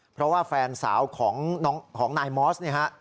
เพราะว่าแฟนสาวของนายมอสเนี่ยฮะ